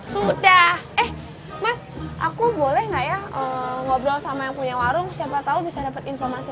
sudah eh mas aku boleh nggak ya ngobrol sama yang punya warung siapa tahu bisa dapat informasi